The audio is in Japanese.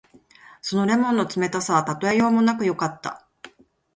その檸檬の冷たさはたとえようもなくよかった。